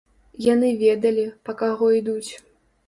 Яны ведалі, па каго ідуць.